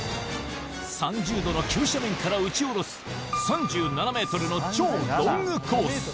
３０度の急斜面からうち下ろす３７メートルの超ロングコース。